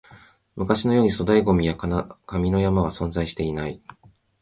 昔のように粗大ゴミや紙の山は存在していない